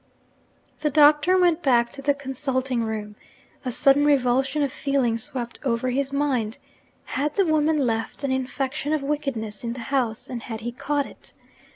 The Doctor went back to the consulting room. A sudden revulsion of feeling swept over his mind. Had the woman left an infection of wickedness in the house, and had he caught it?